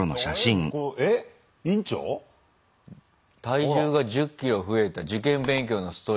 体重が１０ｋｇ増えた受験勉強のストレスで。